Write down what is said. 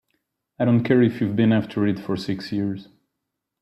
I don't care if you've been after it for six years!